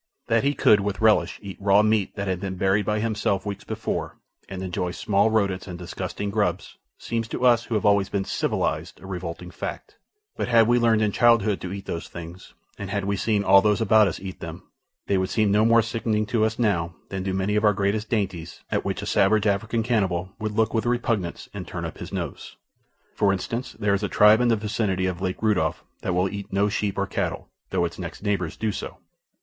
That he could, with relish, eat raw meat that had been buried by himself weeks before, and enjoy small rodents and disgusting grubs, seems to us who have been always "civilized" a revolting fact; but had we learned in childhood to eat these things, and had we seen all those about us eat them, they would seem no more sickening to us now than do many of our greatest dainties, at which a savage African cannibal would look with repugnance and turn up his nose. For instance, there is a tribe in the vicinity of Lake Rudolph that will eat no sheep or cattle, though its next neighbors do so.